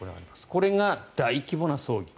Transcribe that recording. これが大規模な葬儀。